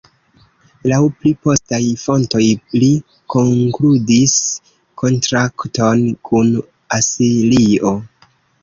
Laŭ pli postaj fontoj li konkludis kontrakton kun Asirio.